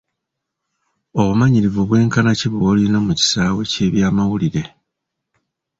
Obumanyirivu bwenkana ki bw'olina mu kisaawe ky'eby'amawulire?